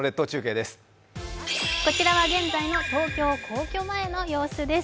こちらは現在の東京・皇居前の様子です。